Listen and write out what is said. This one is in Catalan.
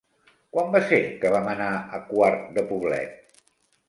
Quan va ser que vam anar a Quart de Poblet?